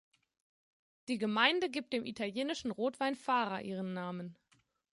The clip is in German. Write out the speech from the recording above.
Die Gemeinde gibt dem italienischen Rotwein Fara ihren Namen.